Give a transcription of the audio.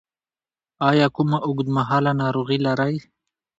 ایا کومه اوږدمهاله ناروغي لرئ؟